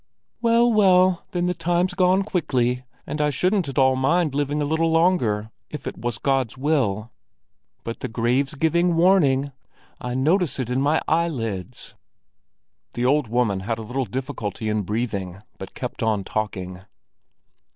"Well, well, then the time's gone quickly, and I shouldn't at all mind living a little longer, if it was God's will. But the grave's giving warning; I notice it in my eyelids." The old woman had a little difficulty in breathing, but kept on talking.